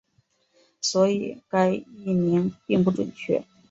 所以该译名并不准确。